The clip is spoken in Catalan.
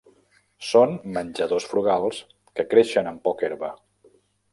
Són menjadors frugals, que creixen amb poca herba.